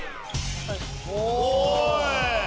おい！